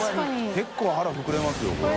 結構腹膨れますよこれ。